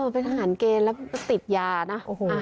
เป็นอาหารเกณฑ์แล้วติดยานะ